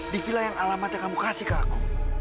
di villa yang alamatnya kamu kasih ke aku